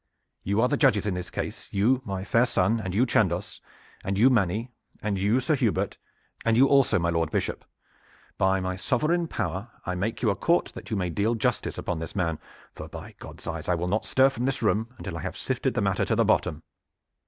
"You are the judges in this case, you, my fair son, and you, Chandos, and you, Manny, and you, Sir Hubert, and you also, my Lord Bishop. By my sovereign power I make you a court that you may deal justice upon this man, for by God's eyes I will not stir from this room until I have sifted the matter to the bottom.